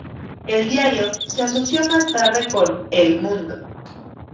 El diario se asoció más tarde con "El Mundo".